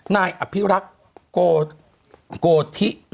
นายอภิรักษ์โกธิ